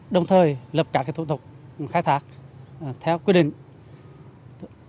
đồng thời lập các thủ tục khai thác theo quy định